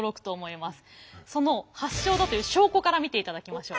その発祥だという証拠から見ていただきましょう。